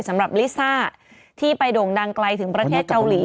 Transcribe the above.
สำหรับลิซ่าที่ไปโด่งดังไกลถึงประเทศเกาหลี